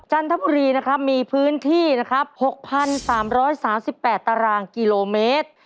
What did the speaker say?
จันทบุรีนะครับมีพื้นที่นะครับหกพันสามร้อยสามสิบแปดตารางกิโลเมตร